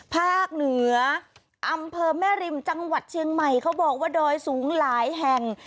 ภาคเหนืออำเภอแม่ริมจังหวัดเชียงใหม่เขาบอกว่าดอยสูงหลายแห่ง